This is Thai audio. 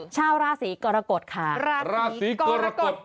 ชาวราศีกรกฎค่ะราศีกรกฎ